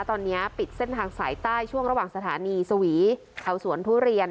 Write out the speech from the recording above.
ตอนนี้ปิดเส้นทางสายใต้ช่วงระหว่างสถานีสวีแถวสวนทุเรียน